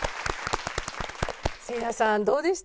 せいやさんどうでした？